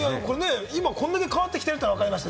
今これだけ変わってきてるというのが分かりました。